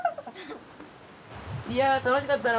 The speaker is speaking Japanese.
いや楽しかったな。